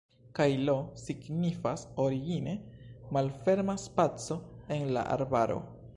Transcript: Kaj "Lo" signifas origine malferma spaco en la arbaro.